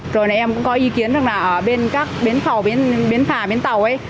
rồi em cũng có ý kiến rằng là ở bên các biến phà biến tàu ấy